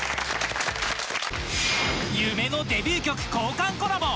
夢のデビュー曲交換コラボ